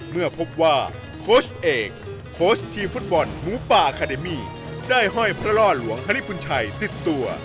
เมื่อพบว่าโค้ชเอกโค้ชทีมฟุตบอลหมูป่าอาคาเดมี่ได้ห้อยพระล่อหลวงฮริปุญชัยติดตัว